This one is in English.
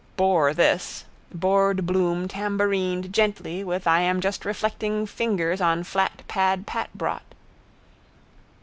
Bore this. Bored Bloom tambourined gently with I am just reflecting fingers on flat pad Pat brought.